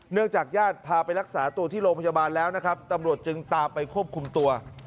จากญาติพาไปรักษาตัวที่โรงพยาบาลแล้วนะครับตำรวจจึงตามไปควบคุมตัว